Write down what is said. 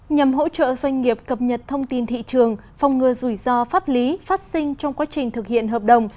nhằm hỗ trợ doanh nghiệp cập nhật thông tin thị trường phòng ngừa rủi ro pháp lý phát sinh trong quá trình thực hiện hợp đồng